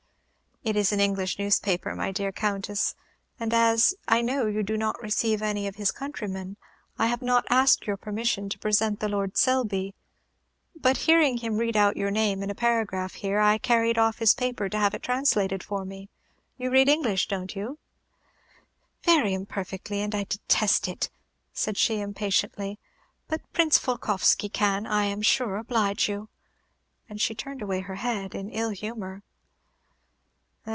"It is an English newspaper, my dear Countess. As I know you do not receive any of his countrymen, I have not asked your permission to present the Lord Selby; but hearing him read out your name in a paragraph here, I carried off his paper to have it translated for me. You read English, don't you?" "Very imperfectly, and I detest it," said she, impatiently; "but Prince Volkoffsky can, I am sure, oblige you." And she turned away her head, in ill humor.